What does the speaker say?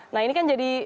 nah ini kan jadi